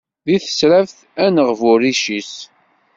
Deg tesraft ar neγbu rric-is!